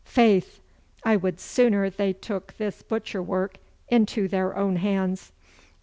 Faith! I would sooner they took this butcher work into their own hands.